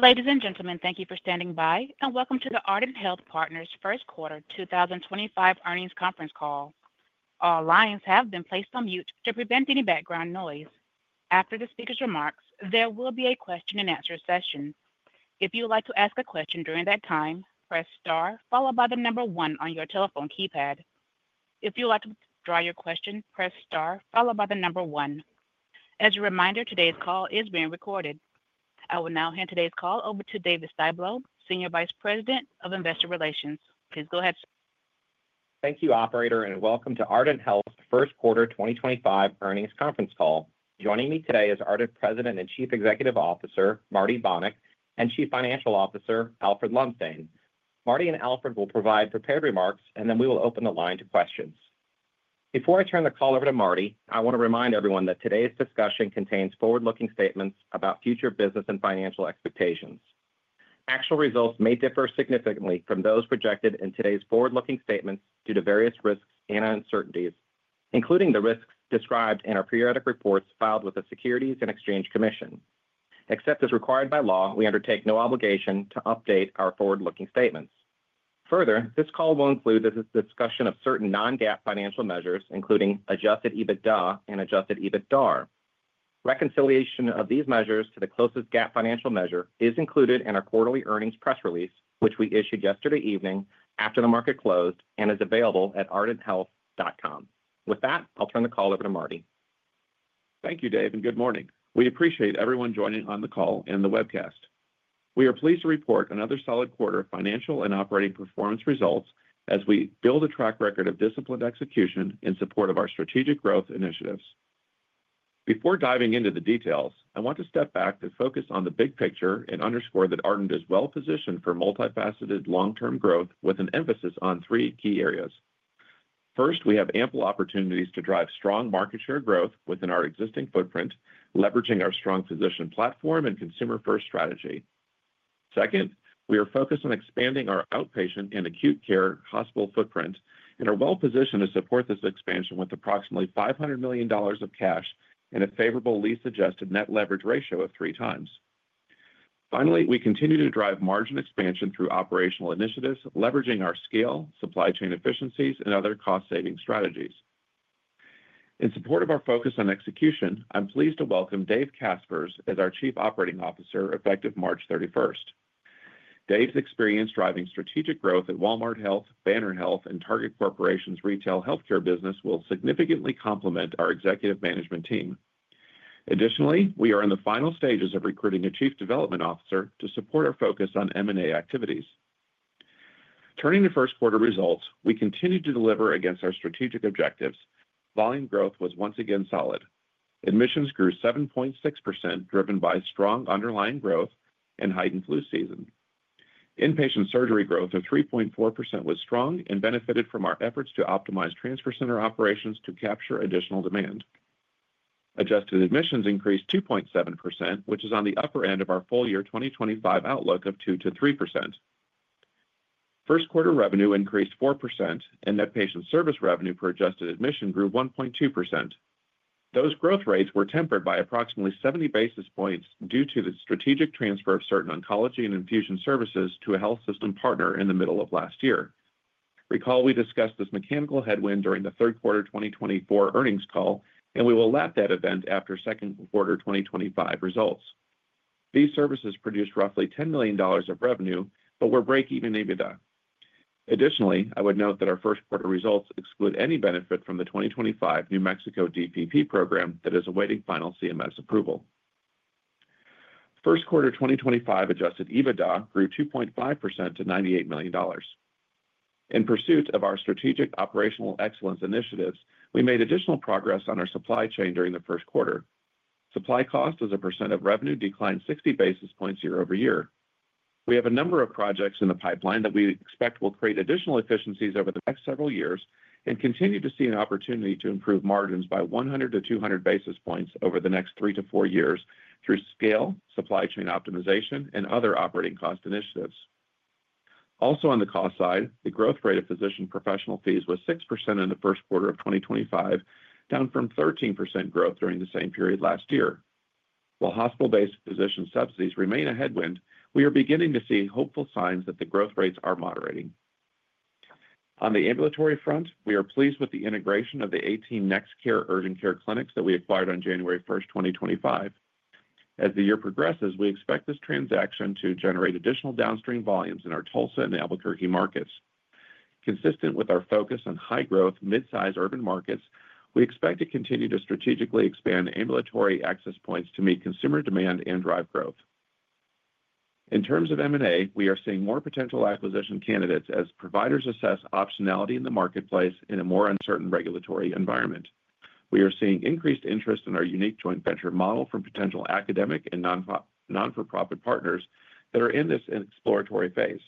Ladies and gentlemen, thank you for standing by, and welcome to the Ardent Health Partners First Quarter 2025 earnings conference call. All lines have been placed on mute to prevent any background noise. After the speaker's remarks, there will be a question-and-answer session. If you would like to ask a question during that time, press star followed by the number one on your telephone keypad. If you would like to withdraw your question, press star followed by the number one. As a reminder, today's call is being recorded. I will now hand today's call over to David Styblo, Senior Vice President of Investor Relations. Please go ahead. Thank you, Operator, and welcome to Ardent Health first quarter 2025 earnings conference call. Joining me today is Ardent President and Chief Executive Officer Marty Bonick and Chief Financial Officer Alfred Lumsdaine. Marty and Alfred will provide prepared remarks, and then we will open the line to questions. Before I turn the call over to Marty, I want to remind everyone that today's discussion contains forward-looking statements about future business and financial expectations. Actual results may differ significantly from those projected in today's forward-looking statements due to various risks and uncertainties, including the risks described in our periodic reports filed with the Securities and Exchange Commission. Except as required by law, we undertake no obligation to update our forward-looking statements. Further, this call will include the discussion of certain non-GAAP financial measures, including adjusted EBITDA and adjusted EBITDAR. Reconciliation of these measures to the closest GAAP financial measure is included in our quarterly earnings press release, which we issued yesterday evening after the market closed and is available at ardenthealth.com. With that, I'll turn the call over to Marty. Thank you, Dave, and good morning. We appreciate everyone joining on the call and the webcast. We are pleased to report another solid quarter of financial and operating performance results as we build a track record of disciplined execution in support of our strategic growth initiatives. Before diving into the details, I want to step back to focus on the big picture and underscore that Ardent is well-positioned for multifaceted long-term growth with an emphasis on three key areas. First, we have ample opportunities to drive strong market share growth within our existing footprint, leveraging our strong position platform and consumer-first strategy. Second, we are focused on expanding our outpatient and acute care hospital footprint and are well-positioned to support this expansion with approximately $500 million of cash and a favorable lease-adjusted net leverage ratio of three times. Finally, we continue to drive margin expansion through operational initiatives, leveraging our scale, supply chain efficiencies, and other cost-saving strategies. In support of our focus on execution, I'm pleased to welcome Dave Caspers as our Chief Operating Officer effective March 31st. Dave's experience driving strategic growth at Walmart Health, Banner Health, and Target Corporation's retail healthcare business will significantly complement our executive management team. Additionally, we are in the final stages of recruiting a Chief Development Officer to support our focus on M&A activities. Turning to first-quarter results, we continue to deliver against our strategic objectives. Volume growth was once again solid. Admissions grew 7.6%, driven by strong underlying growth and heightened flu season. Inpatient surgery growth of 3.4% was strong and benefited from our efforts to optimize transfer center operations to capture additional demand. Adjusted admissions increased 2.7%, which is on the upper end of our full-year 2025 outlook of 2%-3%. First-quarter revenue increased 4%, and that patient service revenue per adjusted admission grew 1.2%. Those growth rates were tempered by approximately 70 basis points due to the strategic transfer of certain oncology and infusion services to a health system partner in the middle of last year. Recall we discussed this mechanical headwind during the third quarter 2024 earnings call, and we will lap that event after second quarter 2025 results. These services produced roughly $10 million of revenue but were break-even EBITDA. Additionally, I would note that our first-quarter results exclude any benefit from the 2025 New Mexico DPP program that is awaiting final CMS approval. First quarter 2025 adjusted EBITDA grew 2.5% to $98 million. In pursuit of our strategic operational excellence initiatives, we made additional progress on our supply chain during the first quarter. Supply cost as a percent of revenue declined 60 basis points year-over-year. We have a number of projects in the pipeline that we expect will create additional efficiencies over the next several years and continue to see an opportunity to improve margins by 100-200 basis points over the next three to four years through scale, supply chain optimization, and other operating cost initiatives. Also, on the cost side, the growth rate of physician professional fees was 6% in the first quarter of 2025, down from 13% growth during the same period last year. While hospital-based physician subsidies remain a headwind, we are beginning to see hopeful signs that the growth rates are moderating. On the ambulatory front, we are pleased with the integration of the 18 NextCare Urgent Care clinics that we acquired on January 1st, 2025. As the year progresses, we expect this transaction to generate additional downstream volumes in our Tulsa and Albuquerque markets. Consistent with our focus on high-growth, midsize urban markets, we expect to continue to strategically expand ambulatory access points to meet consumer demand and drive growth. In terms of M&A, we are seeing more potential acquisition candidates as providers assess optionality in the marketplace in a more uncertain regulatory environment. We are seeing increased interest in our unique joint venture model from potential academic and not-for-profit partners that are in this exploratory phase.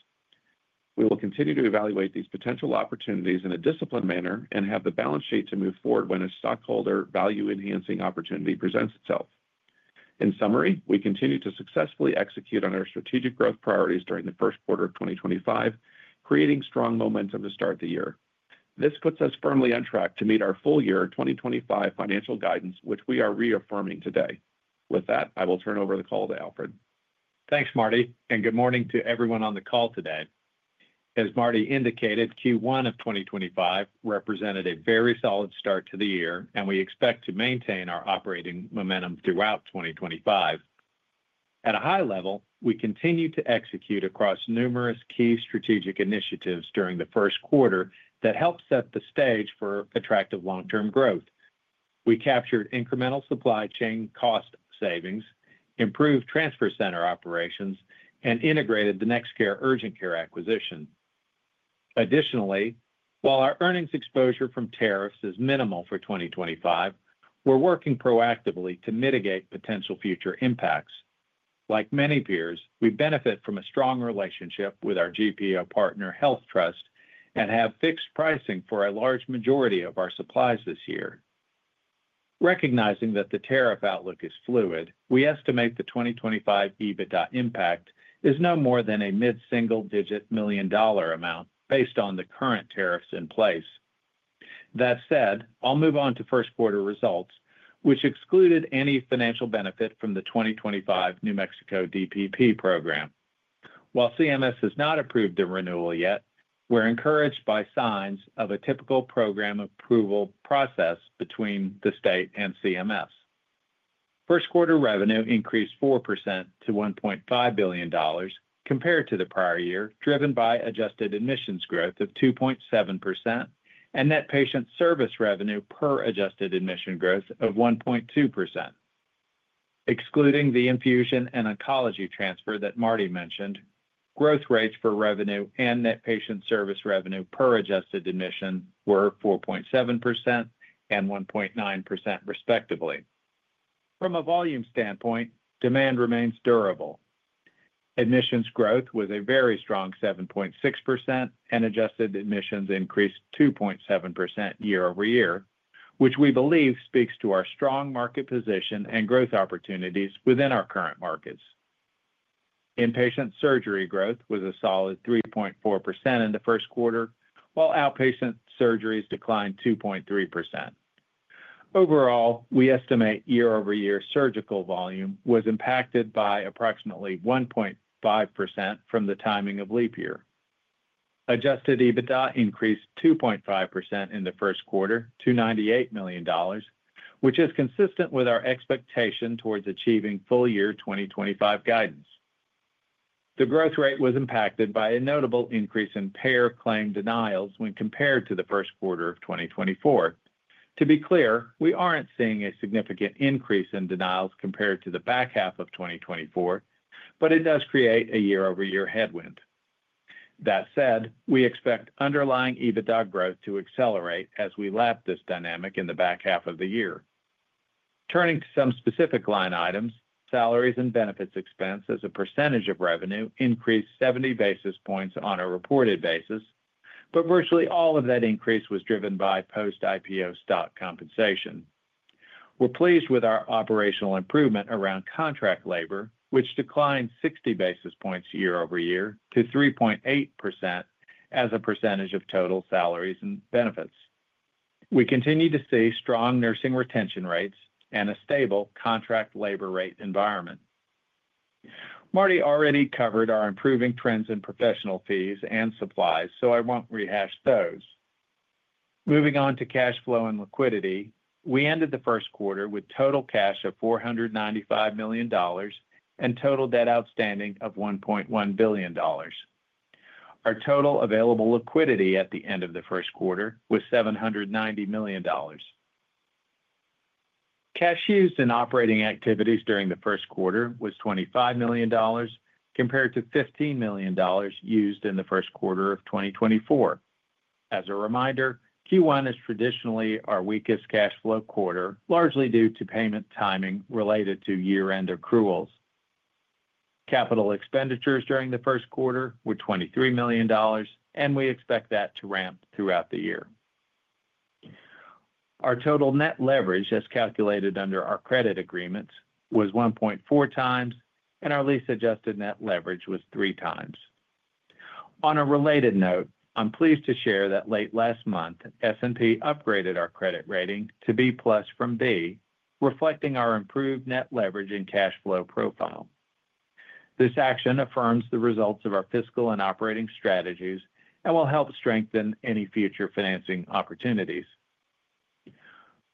We will continue to evaluate these potential opportunities in a disciplined manner and have the balance sheet to move forward when a stockholder value-enhancing opportunity presents itself. In summary, we continue to successfully execute on our strategic growth priorities during the first quarter of 2025, creating strong momentum to start the year. This puts us firmly on track to meet our full-year 2025 financial guidance, which we are reaffirming today. With that, I will turn over the call to Alfred. Thanks, Marty, and good morning to everyone on the call today. As Marty indicated, Q1 of 2025 represented a very solid start to the year, and we expect to maintain our operating momentum throughout 2025. At a high level, we continue to execute across numerous key strategic initiatives during the first quarter that help set the stage for attractive long-term growth. We captured incremental supply chain cost savings, improved transfer center operations, and integrated the NextCare Urgent Care acquisition. Additionally, while our earnings exposure from tariffs is minimal for 2025, we're working proactively to mitigate potential future impacts. Like many peers, we benefit from a strong relationship with our GPO partner, HealthTrust, and have fixed pricing for a large majority of our supplies this year. Recognizing that the tariff outlook is fluid, we estimate the 2025 EBITDA impact is no more than a mid-single digit million-dollar amount based on the current tariffs in place. That said, I'll move on to first-quarter results, which excluded any financial benefit from the 2025 New Mexico DPP program. While CMS has not approved the renewal yet, we're encouraged by signs of a typical program approval process between the state and CMS. First quarter revenue increased 4% to $1.5 billion compared to the prior year, driven by adjusted admissions growth of 2.7% and net patient service revenue per adjusted admission growth of 1.2%. Excluding the infusion and oncology transfer that Marty mentioned, growth rates for revenue and net patient service revenue per adjusted admission were 4.7% and 1.9% respectively. From a volume standpoint, demand remains durable. Admissions growth was a very strong 7.6%, and adjusted admissions increased 2.7% year-over-year, which we believe speaks to our strong market position and growth opportunities within our current markets. Inpatient surgery growth was a solid 3.4% in the first quarter, while outpatient surgeries declined 2.3%. Overall, we estimate year-over-year surgical volume was impacted by approximately 1.5% from the timing of leap year. Adjusted EBITDA increased 2.5% in the first quarter to $98 million, which is consistent with our expectation towards achieving full-year 2025 guidance. The growth rate was impacted by a notable increase in payer claim denials when compared to the first quarter of 2024. To be clear, we aren't seeing a significant increase in denials compared to the back half of 2024, but it does create a year-over-year headwind. That said, we expect underlying EBITDA growth to accelerate as we lap this dynamic in the back half of the year. Turning to some specific line items, salaries and benefits expense as a percentage of revenue increased 70 basis points on a reported basis, but virtually all of that increase was driven by post-IPO stock compensation. We're pleased with our operational improvement around contract labor, which declined 60 basis points year-over-year to 3.8% as a percentage of total salaries and benefits. We continue to see strong nursing retention rates and a stable contract labor rate environment. Marty already covered our improving trends in professional fees and supplies, so I won't rehash those. Moving on to cash flow and liquidity, we ended the first quarter with total cash of $495 million and total debt outstanding of $1.1 billion. Our total available liquidity at the end of the first quarter was $790 million. Cash used in operating activities during the first quarter was $25 million compared to $15 million used in the first quarter of 2024. As a reminder, Q1 is traditionally our weakest cash flow quarter, largely due to payment timing related to year-end accruals. Capital expenditures during the first quarter were $23 million, and we expect that to ramp throughout the year. Our total net leverage, as calculated under our credit agreements, was 1.4x, and our lease-adjusted net leverage was 3x. On a related note, I'm pleased to share that late last month, S&P upgraded our credit rating to B+ from B, reflecting our improved net leverage and cash flow profile. This action affirms the results of our fiscal and operating strategies and will help strengthen any future financing opportunities.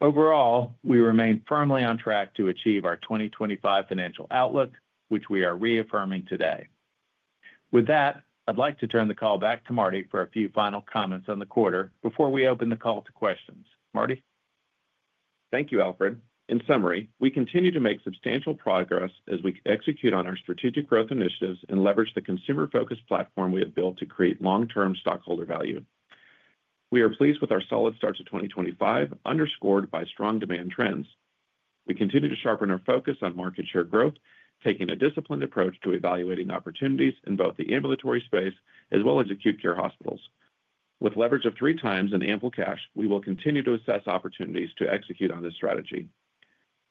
Overall, we remain firmly on track to achieve our 2025 financial outlook, which we are reaffirming today. With that, I'd like to turn the call back to Marty for a few final comments on the quarter before we open the call to questions. Marty? Thank you, Alfred. In summary, we continue to make substantial progress as we execute on our strategic growth initiatives and leverage the consumer-focused platform we have built to create long-term stockholder value. We are pleased with our solid start to 2025, underscored by strong demand trends. We continue to sharpen our focus on market share growth, taking a disciplined approach to evaluating opportunities in both the ambulatory space as well as acute care hospitals. With leverage of three times and ample cash, we will continue to assess opportunities to execute on this strategy.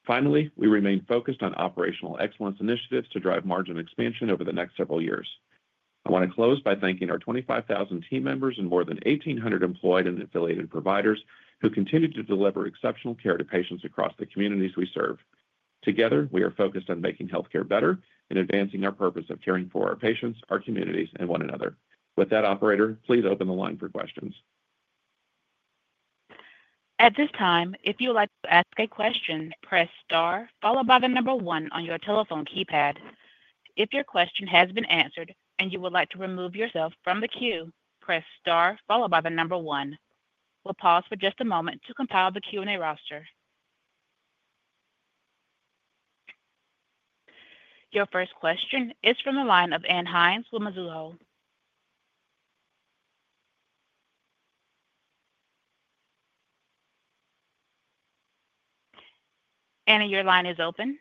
Finally, we remain focused on operational excellence initiatives to drive margin expansion over the next several years. I want to close by thanking our 25,000 team members and more than 1,800 employed and affiliated providers who continue to deliver exceptional care to patients across the communities we serve. Together, we are focused on making healthcare better and advancing our purpose of caring for our patients, our communities, and one another. With that, Operator, please open the line for questions. At this time, if you would like to ask a question, press star followed by the number one on your telephone keypad. If your question has been answered and you would like to remove yourself from the queue, press star followed by the number one. We'll pause for just a moment to compile the Q&A roster. Your first question is from the line of Anne Hines with Mizuho. Anne, your line is open.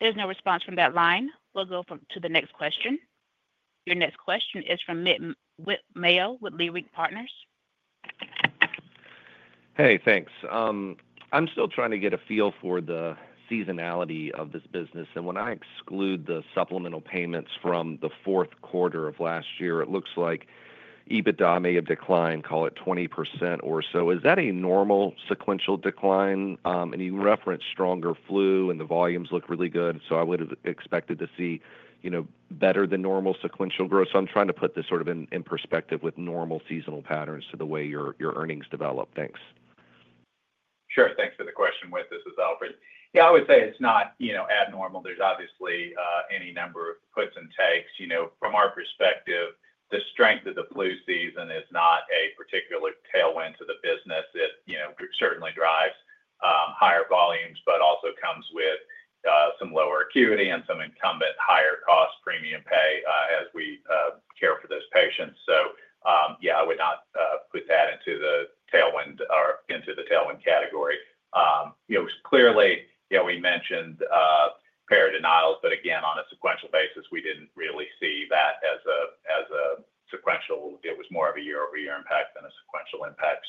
There's no response from that line. We'll go to the next question. Your next question is from Whit Mayo with Leerink Partners. Hey, thanks. I'm still trying to get a feel for the seasonality of this business. When I exclude the supplemental payments from the fourth quarter of last year, it looks like EBITDA may have declined, call it 20% or so. Is that a normal sequential decline? You referenced stronger flu and the volumes look really good, so I would have expected to see better than normal sequential growth. I'm trying to put this sort of in perspective with normal seasonal patterns to the way your earnings develop. Thanks. Sure. Thanks for the question, Whit, this is Alfred. Yeah, I would say it's not abnormal. There's obviously any number of puts and takes. From our perspective, the strength of the flu season is not a particular tailwind to the business. It certainly drives higher volumes, but also comes with some lower acuity and some incumbent higher cost premium pay as we care for those patients. Yeah, I would not put that into the tailwind category. Clearly, we mentioned payer denials, but again, on a sequential basis, we didn't really see that as a sequential. It was more of a year-over-year impact than a sequential impact.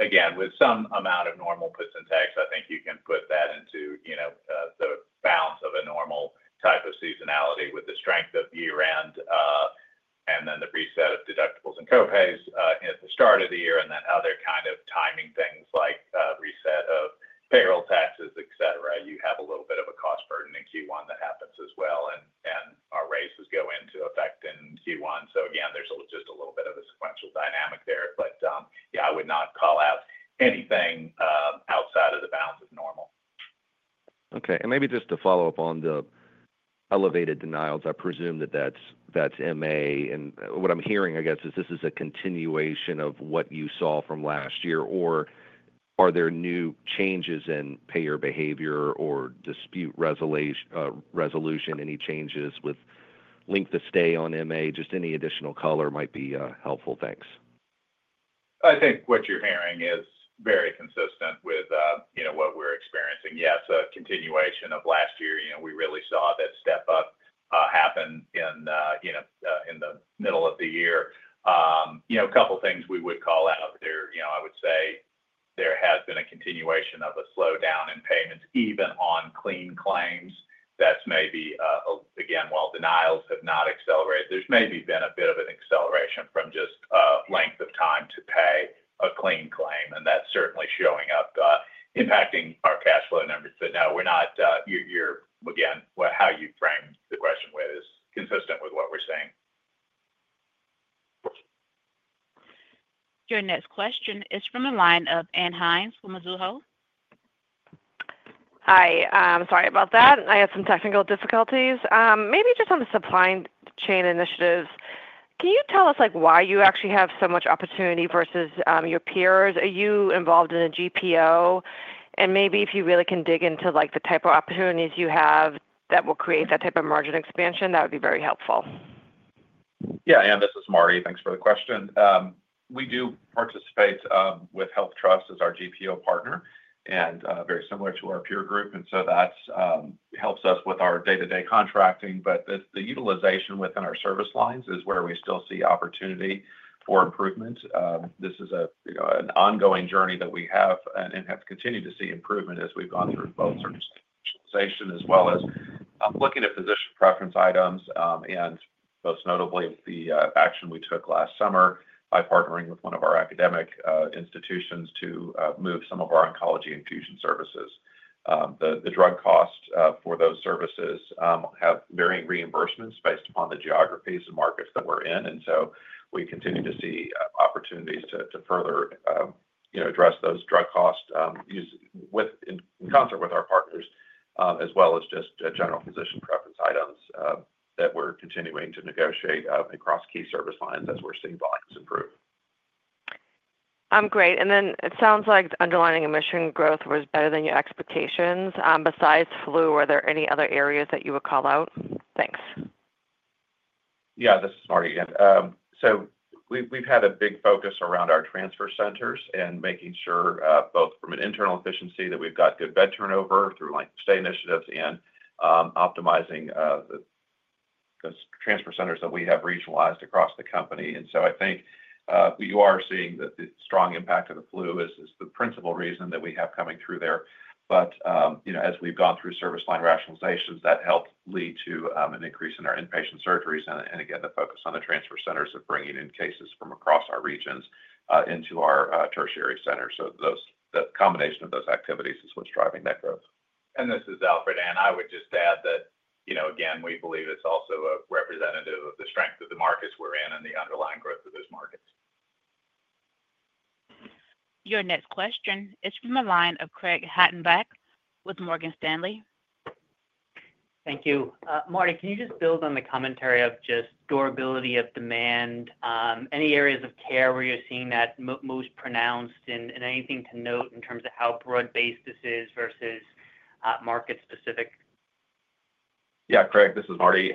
Again, with some amount of normal puts and takes, I think you can put that into the balance of a normal type of seasonality with the strength of year-end and then the reset of deductibles and copays at the start of the year and then other kind of timing things like reset of payroll taxes, etc. You have a little bit of a cost burden in Q1 that happens as well, and our raises go into effect in Q1. Again, there is just a little bit of a sequential dynamic there, but yeah, I would not call out anything outside of the bounds of normal. Okay. Maybe just to follow up on the elevated denials, I presume that that's MA. What I'm hearing, I guess, is this is a continuation of what you saw from last year, or are there new changes in payer behavior or dispute resolution? Any changes with length of stay on MA? Just any additional color might be helpful. Thanks. I think what you're hearing is very consistent with what we're experiencing. Yes, a continuation of last year. We really saw that step up happen in the middle of the year. A couple of things we would call out there. I would say there has been a continuation of a slowdown in payments, even on clean claims. That's maybe, again, while denials have not accelerated, there's maybe been a bit of an acceleration from just length of time to pay a clean claim, and that's certainly showing up, impacting our cash flow numbers. No, we're not, again, how you frame the question is consistent with what we're seeing. Your next question is from the line of Anne Hines with Mizuho. Hi. I'm sorry about that. I had some technical difficulties. Maybe just on the supply chain initiatives, can you tell us why you actually have so much opportunity versus your peers? Are you involved in a GPO? And maybe if you really can dig into the type of opportunities you have that will create that type of margin expansion, that would be very helpful. Yeah. Yeah, this is Marty. Thanks for the question. We do participate with HealthTrust as our GPO partner and very similar to our peer group. That helps us with our day-to-day contracting, but the utilization within our service lines is where we still see opportunity for improvement. This is an ongoing journey that we have and have continued to see improvement as we've gone through both certain stages of utilization as well as looking at physician preference items and most notably the action we took last summer by partnering with one of our academic institutions to move some of our oncology infusion services. The drug costs for those services have varying reimbursements based upon the geographies and markets that we're in. We continue to see opportunities to further address those drug costs in concert with our partners, as well as just general physician preference items that we're continuing to negotiate across key service lines as we're seeing volumes improve. I'm great. It sounds like underlying admission growth was better than your expectations. Besides flu, were there any other areas that you would call out? Thanks. Yeah, this is Marty. We have had a big focus around our transfer centers and making sure both from an internal efficiency that we have good bed turnover through length of stay initiatives and optimizing the transfer centers that we have regionalized across the company. I think you are seeing the strong impact of the flu as the principal reason that we have coming through there. As we have gone through service line rationalizations, that helped lead to an increase in our inpatient surgeries and again, the focus on the transfer centers of bringing in cases from across our regions into our tertiary centers. The combination of those activities is what is driving that growth. This is Alfred. I would just add that, again, we believe it is also a representative of the strength of the markets we are in and the underlying growth of those markets. Your next question is from the line of Craig Hettenbach with Morgan Stanley. Thank you. Marty, can you just build on the commentary of just durability of demand? Any areas of care where you're seeing that most pronounced and anything to note in terms of how broad-based this is versus market-specific? Yeah, Craig, this is Marty.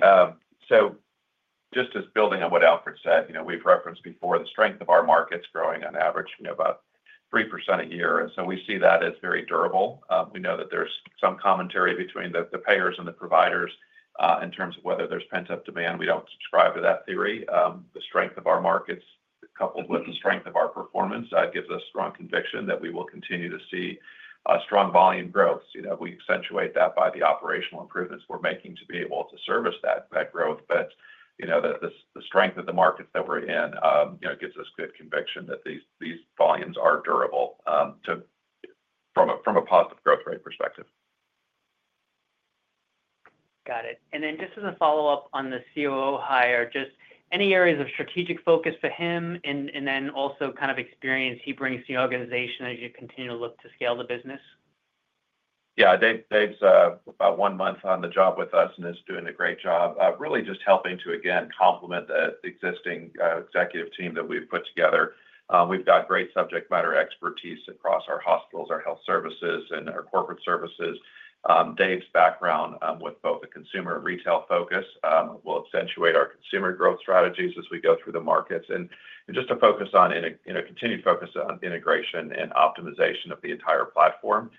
Just as building on what Alfred said, we've referenced before the strength of our markets growing on average about 3% a year. We see that as very durable. We know that there's some commentary between the payers and the providers in terms of whether there's pent-up demand. We don't subscribe to that theory. The strength of our markets coupled with the strength of our performance gives us strong conviction that we will continue to see strong volume growth. We accentuate that by the operational improvements we're making to be able to service that growth. The strength of the markets that we're in gives us good conviction that these volumes are durable from a positive growth rate perspective. Got it. Just as a follow-up on the COO hire, just any areas of strategic focus for him and then also kind of experience he brings to the organization as you continue to look to scale the business? Yeah, Dave's about one month on the job with us and is doing a great job. Really just helping to, again, complement the existing executive team that we've put together. We've got great subject matter expertise across our hospitals, our health services, and our corporate services. Dave's background with both a consumer and retail focus will accentuate our consumer growth strategies as we go through the markets. Just to focus on continued focus on integration and optimization of the entire platform.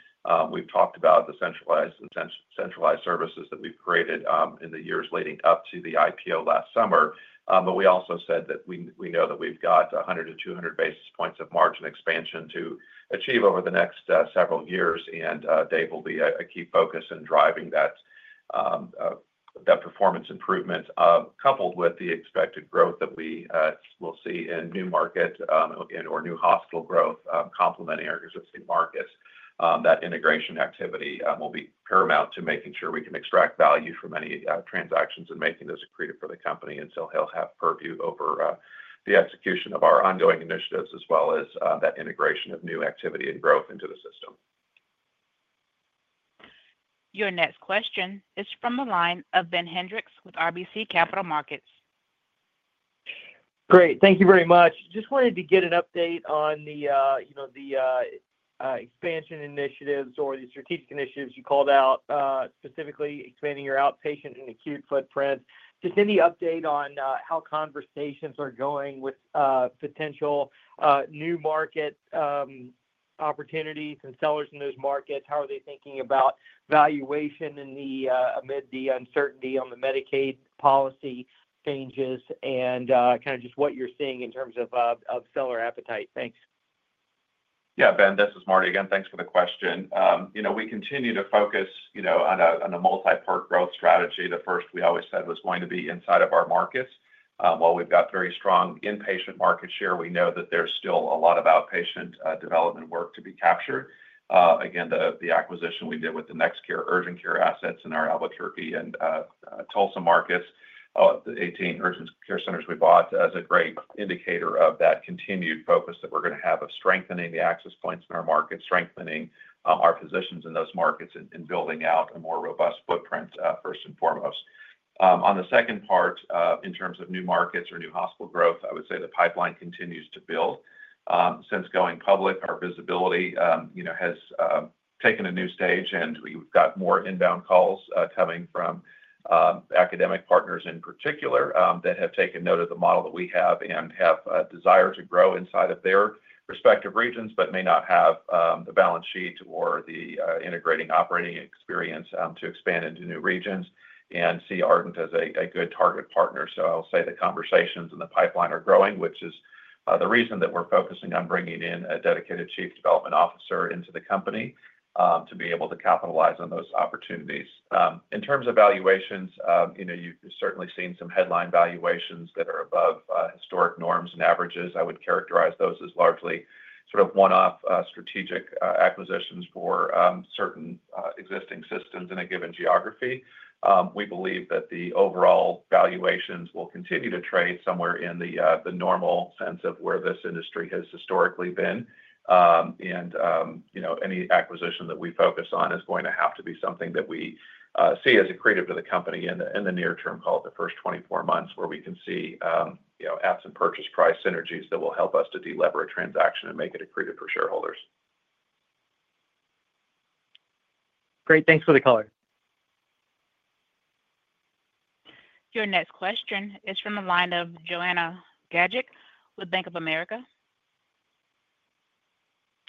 We've talked about the centralized services that we've created in the years leading up to the IPO last summer, but we also said that we know that we've got 100-200 basis points of margin expansion to achieve over the next several years. Dave will be a key focus in driving that performance improvement, coupled with the expected growth that we will see in new market and/or new hospital growth complementing our existing markets. That integration activity will be paramount to making sure we can extract value from any transactions and making those accretive for the company until he'll have purview over the execution of our ongoing initiatives as well as that integration of new activity and growth into the system. Your next question is from the line of Ben Hendrix with RBC Capital Markets. Great. Thank you very much. Just wanted to get an update on the expansion initiatives or the strategic initiatives you called out, specifically expanding your outpatient and acute footprint. Just any update on how conversations are going with potential new market opportunities and sellers in those markets? How are they thinking about valuation amid the uncertainty on the Medicaid policy changes and kind of just what you're seeing in terms of seller appetite? Thanks. Yeah, Ben, this is Marty again. Thanks for the question. We continue to focus on a multi-part growth strategy. The first we always said was going to be inside of our markets. While we've got very strong inpatient market share, we know that there's still a lot of outpatient development work to be captured. Again, the acquisition we did with the NextCare Urgent Care assets in our Albuquerque and Tulsa markets, the 18 urgent care centers we bought, is a great indicator of that continued focus that we're going to have of strengthening the access points in our market, strengthening our positions in those markets, and building out a more robust footprint first and foremost. On the second part, in terms of new markets or new hospital growth, I would say the pipeline continues to build. Since going public, our visibility has taken a new stage, and we've got more inbound calls coming from academic partners in particular that have taken note of the model that we have and have a desire to grow inside of their respective regions, but may not have the balance sheet or the integrating operating experience to expand into new regions and see Ardent as a good target partner. I'll say the conversations and the pipeline are growing, which is the reason that we're focusing on bringing in a dedicated Chief Development Officer into the company to be able to capitalize on those opportunities. In terms of valuations, you've certainly seen some headline valuations that are above historic norms and averages. I would characterize those as largely sort of one-off strategic acquisitions for certain existing systems in a given geography. We believe that the overall valuations will continue to trade somewhere in the normal sense of where this industry has historically been. Any acquisition that we focus on is going to have to be something that we see as accretive to the company in the near term, called the first 24 months, where we can see absent purchase price synergies that will help us to deleverage transaction and make it accretive for shareholders. Great. Thanks for the color. Your next question is from the line of Joanna Gajuk with Bank of America.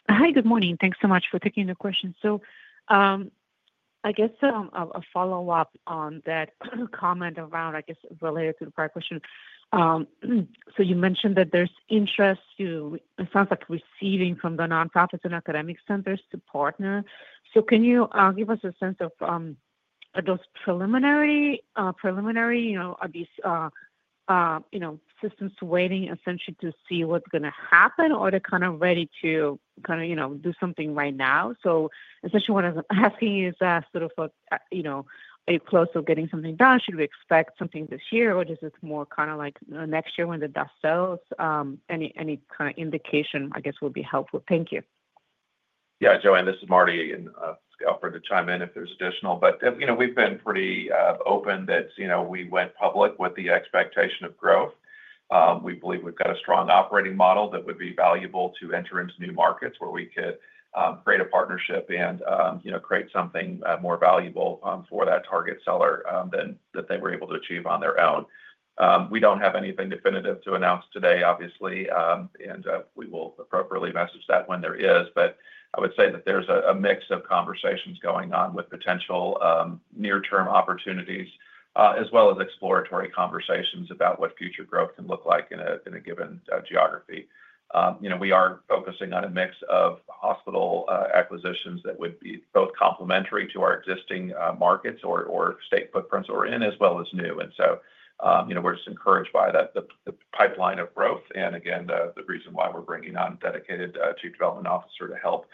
Hi, good morning. Thanks so much for taking the question. I guess a follow-up on that comment around, I guess, related to the prior question. You mentioned that there's interest, it sounds like, receiving from the nonprofits and academic centers to partner. Can you give us a sense of those preliminary systems waiting essentially to see what's going to happen or they're kind of ready to kind of do something right now? Essentially what I'm asking is sort of a close of getting something done. Should we expect something this year, or is it more kind of like next year when the dust settles? Any kind of indication, I guess, would be helpful. Thank you. Yeah, Joanna, this is Marty. It's Alfred to chime in if there's additional. We've been pretty open that we went public with the expectation of growth. We believe we've got a strong operating model that would be valuable to enter into new markets where we could create a partnership and create something more valuable for that target seller than they were able to achieve on their own. We don't have anything definitive to announce today, obviously, and we will appropriately message that when there is. I would say that there's a mix of conversations going on with potential near-term opportunities as well as exploratory conversations about what future growth can look like in a given geography. We are focusing on a mix of hospital acquisitions that would be both complementary to our existing markets or state footprints we're in as well as new. We are just encouraged by the pipeline of growth and, again, the reason why we are bringing on a dedicated Chief Development Officer to help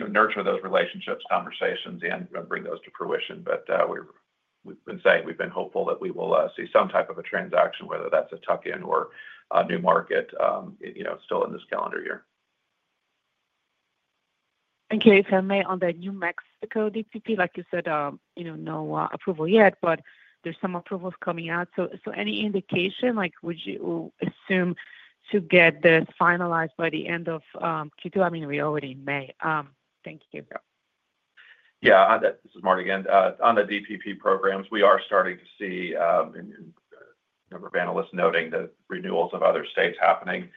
nurture those relationships, conversations, and bring those to fruition. We have been saying we are hopeful that we will see some type of a transaction, whether that is a tuck-in or a new market, still in this calendar year. Can you comment on the New Mexico DPP? Like you said, no approval yet, but there's some approvals coming out. Any indication would you assume to get this finalized by the end of Q2? I mean, we're already in May. Thank you. Yeah, this is Marty again. On the DPP programs, we are starting to see a number of analysts noting the renewals of other states happening.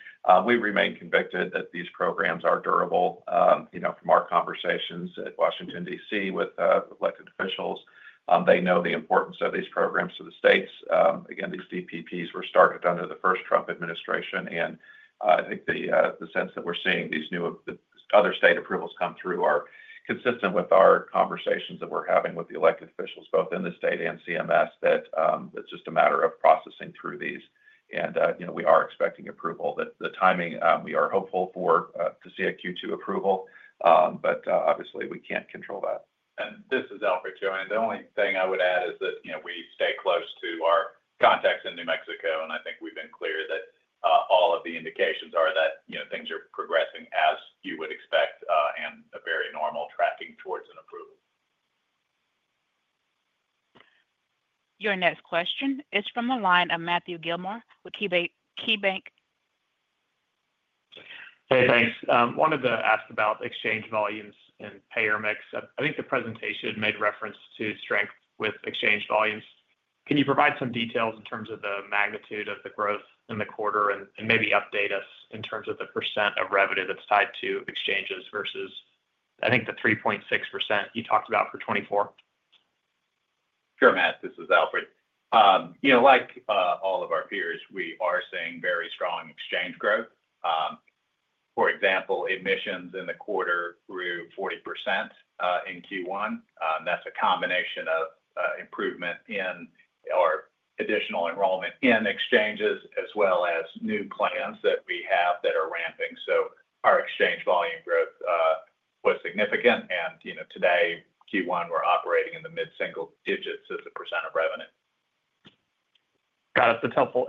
We remain convicted that these programs are durable. From our conversations at Washington, DC, with elected officials, they know the importance of these programs to the states. Again, these DPPs were started under the first Trump administration. I think the sense that we're seeing these new other state approvals come through are consistent with our conversations that we're having with the elected officials, both in the state and CMS, that it's just a matter of processing through these. We are expecting approval. The timing, we are hopeful for to see a Q2 approval, but obviously, we can't control that. This is Alfred, Joanne. The only thing I would add is that we stay close to our contacts in New Mexico, and I think we've been clear that all of the indications are that things are progressing as you would expect and a very normal tracking towards an approval. Your next question is from the line of Matthew Gilmore with KeyBanc. Hey, thanks. Wanted to ask about exchange volumes and payer mix. I think the presentation made reference to strength with exchange volumes. Can you provide some details in terms of the magnitude of the growth in the quarter and maybe update us in terms of the percent of revenue that's tied to exchanges versus, I think, the 3.6% you talked about for 2024? Sure, Matt. This is Alfred. Like all of our peers, we are seeing very strong exchange growth. For example, admissions in the quarter grew 40% in Q1. That is a combination of improvement in our additional enrollment in exchanges as well as new plans that we have that are ramping. Our exchange volume growth was significant. Today, Q1, we are operating in the mid-single digits as a percent of revenue. Got it. That's helpful.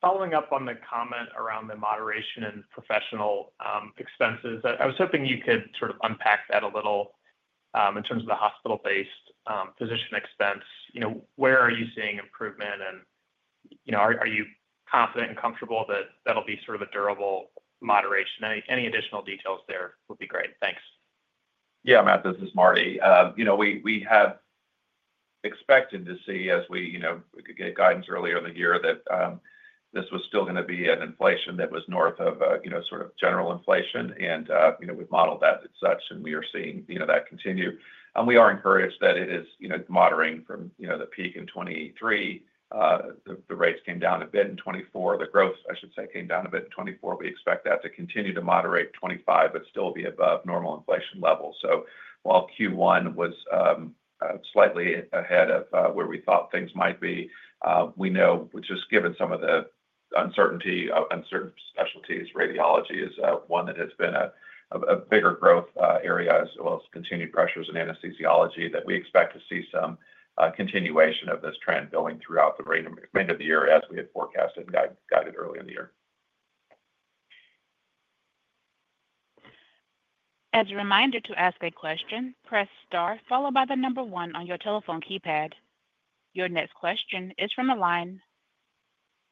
Following up on the comment around the moderation in professional expenses, I was hoping you could sort of unpack that a little in terms of the hospital-based physician expense. Where are you seeing improvement? Are you confident and comfortable that that'll be sort of a durable moderation? Any additional details there would be great. Thanks. Yeah, Matt, this is Marty. We have expected to see, as we could get guidance earlier in the year, that this was still going to be an inflation that was north of sort of general inflation. And we've modeled that as such, and we are seeing that continue. We are encouraged that it is moderating from the peak in 2023. The rates came down a bit in 2024. The growth, I should say, came down a bit in 2024. We expect that to continue to moderate in 2025, but still be above normal inflation levels. While Q1 was slightly ahead of where we thought things might be, we know, just given some of the uncertainty, uncertain specialties, radiology is one that has been a bigger growth area, as well as continued pressures in anesthesiology, that we expect to see some continuation of this trend going throughout the remainder of the year as we had forecasted and guided earlier in the year. As a reminder to ask a question, press star followed by the number one on your telephone keypad. Your next question is from the line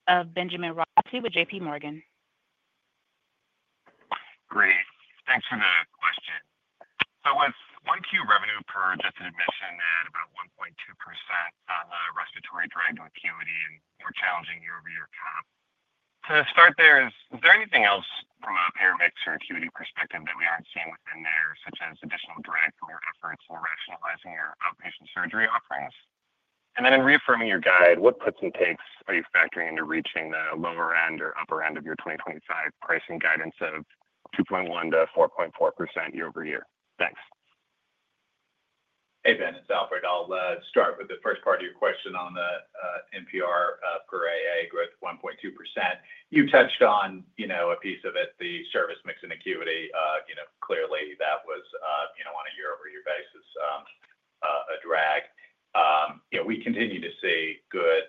of Benjamin Rossi with JPMorgan. Great. Thanks for the question. With Q1 revenue per adjusted admission at about 1.2% on the respiratory drain to acuity and more challenging year-over-year comp, to start there, is there anything else from a payer mix or acuity perspective that we aren't seeing within there, such as additional direct from your efforts in rationalizing your outpatient surgery offerings? In reaffirming your guide, what puts and takes are you factoring into reaching the lower end or upper end of your 2025 pricing guidance of 2.1%-4.4% year-over-year? Thanks. Hey, Ben, it's Alfred. I'll start with the first part of your question on the NPR per AA growth of 1.2%. You touched on a piece of it, the service mix and acuity. Clearly, that was on a year-over-year basis, a drag. We continue to see good,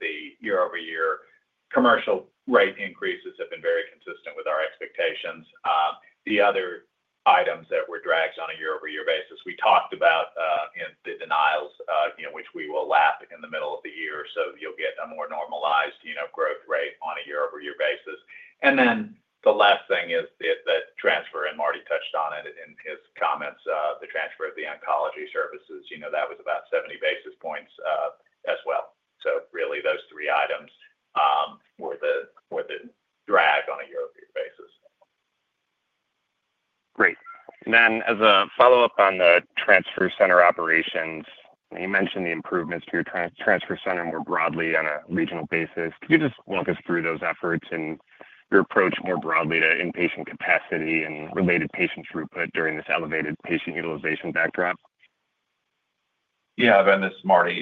the year-over-year commercial rate increases have been very consistent with our expectations. The other items that were a drag on a year-over-year basis, we talked about the denials, which we will lap in the middle of the year. You'll get a more normalized growth rate on a year-over-year basis. The last thing is that the transfer—Marty touched on it in his comments—the transfer of the oncology services, that was about 70 basis points as well. Really, those three items were the drag on a year-over-year basis. Great. As a follow-up on the transfer center operations, you mentioned the improvements to your transfer center more broadly on a regional basis. Could you just walk us through those efforts and your approach more broadly to inpatient capacity and related patient throughput during this elevated patient utilization backdrop? Yeah, Ben, this is Marty.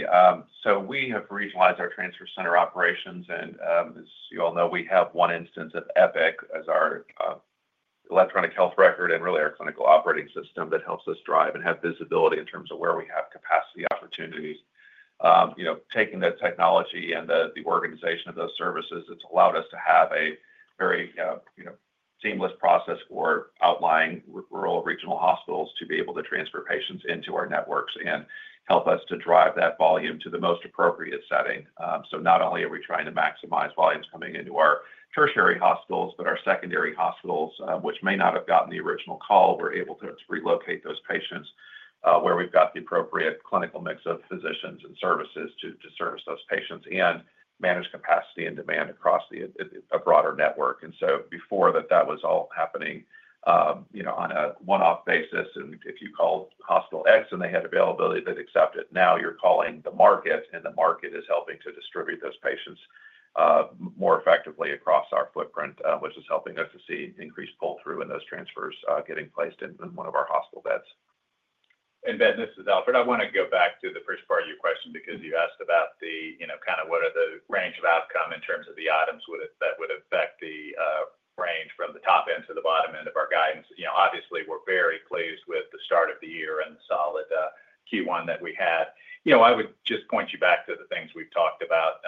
We have regionalized our transfer center operations. As you all know, we have one instance of Epic as our electronic health record and really our clinical operating system that helps us drive and have visibility in terms of where we have capacity opportunities. Taking that technology and the organization of those services, it's allowed us to have a very seamless process for outlying rural regional hospitals to be able to transfer patients into our networks and help us to drive that volume to the most appropriate setting. Not only are we trying to maximize volumes coming into our tertiary hospitals, but our secondary hospitals, which may not have gotten the original call, we're able to relocate those patients where we've got the appropriate clinical mix of physicians and services to service those patients and manage capacity and demand across a broader network. Before that, that was all happening on a one-off basis. If you called Hospital X and they had availability, they'd accept it. Now you're calling the market, and the market is helping to distribute those patients more effectively across our footprint, which is helping us to see increased pull-through in those transfers getting placed in one of our hospital beds. Ben, this is Alfred. I want to go back to the first part of your question because you asked about kind of what are the range of outcome in terms of the items that would affect the range from the top end to the bottom end of our guidance. Obviously, we're very pleased with the start of the year and the solid Q1 that we had. I would just point you back to the things we've talked about: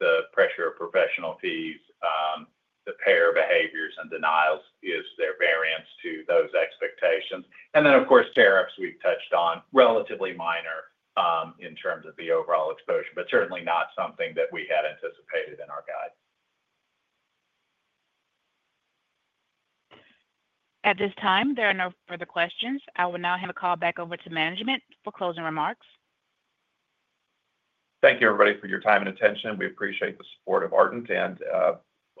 the pressure of professional fees, the payer behaviors and denials, is there variance to those expectations? Of course, tariffs we've touched on, relatively minor in terms of the overall exposure, but certainly not something that we had anticipated in our guide. At this time, there are no further questions. I will now hand the call back over to management for closing remarks. Thank you, everybody, for your time and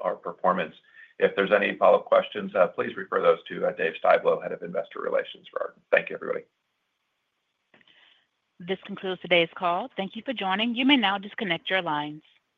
attention. We appreciate the support of Ardent and our performance. If there's any follow-up questions, please refer those to Dave Styblo, Head of Investor Relations for Ardent. Thank you, everybody. This concludes today's call. Thank you for joining. You may now disconnect your lines.